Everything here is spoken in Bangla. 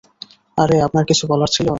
আরে, আপনার কিছু বলার ছিল?